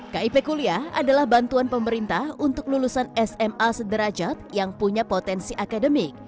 kip kuliah adalah bantuan pemerintah untuk lulusan sma sederajat yang punya potensi akademik